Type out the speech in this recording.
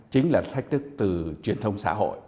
chính là thách thức từ truyền thông xã hội